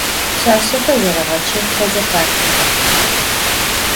Pşsaşsexer zereğeçefxeze parkım dehağex.